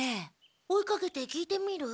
追いかけて聞いてみる？